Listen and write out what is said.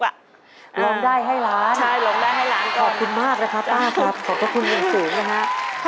ลงได้ให้หลานก่อนคุณมากแล้วค่ะต้าครับขอบคุณห่วงสูงนะครับ